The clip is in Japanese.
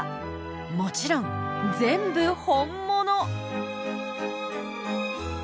もちろん全部本物！